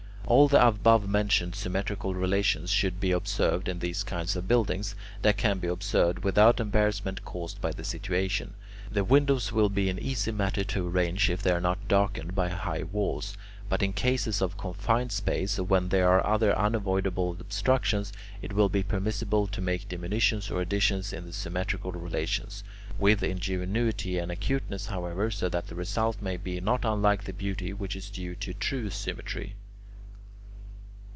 All the above mentioned symmetrical relations should be observed, in these kinds of buildings, that can be observed without embarrassment caused by the situation. The windows will be an easy matter to arrange if they are not darkened by high walls; but in cases of confined space, or when there are other unavoidable obstructions, it will be permissible to make diminutions or additions in the symmetrical relations, with ingenuity and acuteness, however, so that the result may be not unlike the beauty which is due to true symmetry.